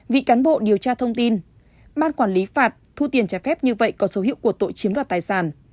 vị cán bộ điều tra thông tin bang quản lý phạt thu tiền trả phép như vậy có số hiệu của tội chiếm đoạt tài sản